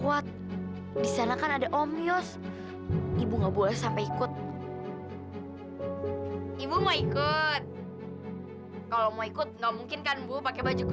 apaan sih lu nacok ya lu